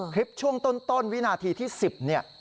คลิปช่วงต้นวินาทีที่๑๐เนี่ย